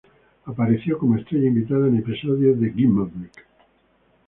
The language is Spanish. Apareció como estrella invitada en episodios de "Gimme a Break!